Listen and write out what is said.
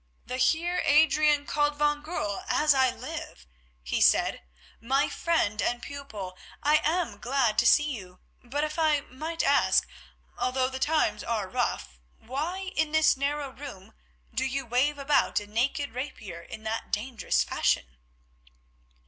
"The Heer Adrian called van Goorl, as I live!" he said. "My friend and pupil, I am glad to see you; but, if I might ask, although the times are rough, why in this narrow room do you wave about a naked rapier in that dangerous fashion?"